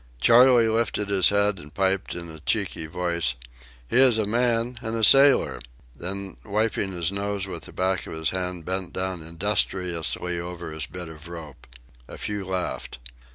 Charley lifted his head and piped in a cheeky voice: "He is a man and a sailor" then wiping his nose with the back of his hand bent down industriously over his bit of rope. A few laughed.